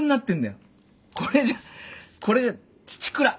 これじゃこれじゃちちくら。